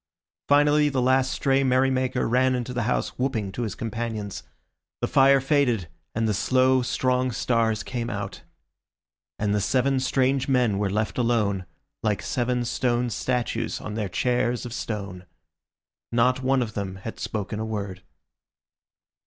Finally the last stray merry maker ran into the house whooping to his companions. The fire faded, and the slow, strong stars came out. And the seven strange men were left alone, like seven stone statues on their chairs of stone. Not one of them had spoken a word.